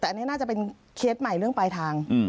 แต่อันนี้น่าจะเป็นเคสใหม่เรื่องปลายทาง